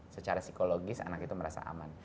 secara psikologis anak itu merasa aman